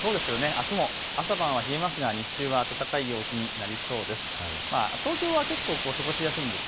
あすも朝晩は冷えますが日中は暖かい陽気になりそうです。